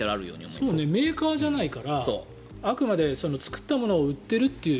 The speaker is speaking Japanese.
そうねメーカーじゃないからあくまで作ったものを売っているという。